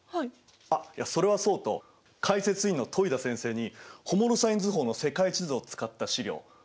あっいやそれはそうと解説委員の戸井田先生にホモロサイン図法の世界地図を使った資料褒めていただきました！